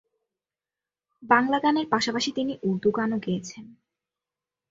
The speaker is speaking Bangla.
বাংলা গানের পাশাপাশি তিনি উর্দু গানও গেয়েছেন।